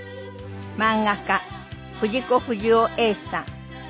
漫画家藤子不二雄さん。